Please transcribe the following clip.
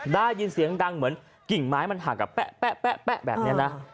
ได้ยินเสียงดังเหมือนกลิ่งไม้มันหักอะแป๊ะแป๊ะแป๊ะแป๊ะแบบนี้นะ